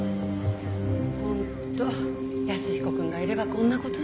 本当安彦くんがいればこんな事には。